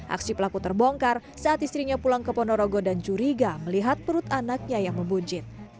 aksi pelaku terbongkar saat istrinya pulang ke ponorogo dan curiga melihat perut anaknya yang membujit